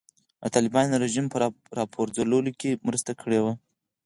د طالبانو رژیم په راپرځولو کې مرسته کړې وه.